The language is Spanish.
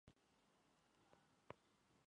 Fue diputado por Camagüey a la Asamblea de Guáimaro.